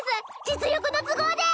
実力の都合で！